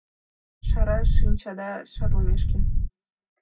Шара шинчада шарлымешке.